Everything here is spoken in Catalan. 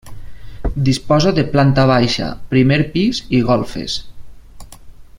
Disposa de planta baixa, primer pis i golfes.